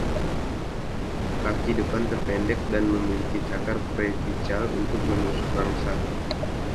Kaki depan terpendek dan memiliki cakar preapical untuk menusuk mangsa.